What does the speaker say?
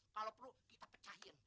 kalau perlu kita pecahin